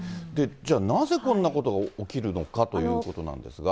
じゃあなぜこんなことが起きるのかということなんですが。